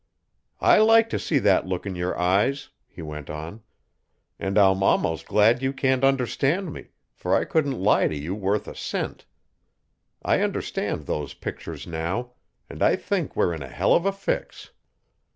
"I like to see that look in your eyes," he went on. "And I'm almost glad you can't understand me, for I couldn't lie to you worth a cent. I understand those pictures now and I think we're in a hell of a fix.